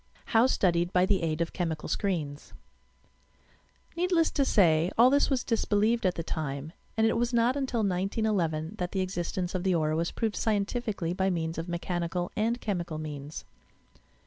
HOW STUDIED BY THE Am OP CHEMICAI, SCREENS Needless to say all this was disbelieved at the time, and it was not until 1911 that the existence of the aura was proved scientifically by means of mechanical and chemical means.